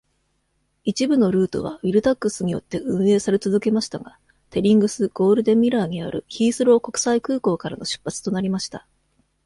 一部のルートはウィルタックスによって運営され続けましたが、テリングス・ゴールデンミラーにあるヒースロー国際空港からの出発となりました。